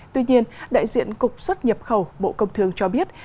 tuy nhiên đại diện cục xuất nhập khẩu bộ công thương cho biết